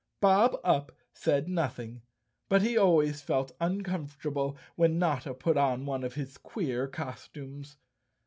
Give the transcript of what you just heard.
Bob Up said nothing, but he always felt uncomfortable when Notta put on one of his queer costumes.